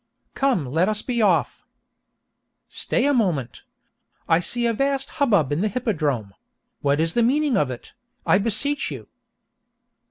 Come let us be off. "Stay a moment! I see a vast hubbub in the hippodrome; what is the meaning of it, I beseech you?"